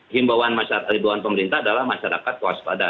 himbawan pemerintah adalah masyarakat waspada